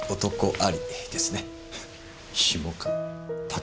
あ！